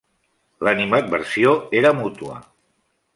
L'animadversió era mútua.